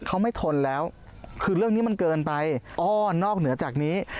เขาไม่ทนแล้วคือเรื่องนี้มันเกินไปอ๋อนอกเหนือจากนี้